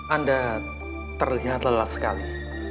anda terlihat lelah sekali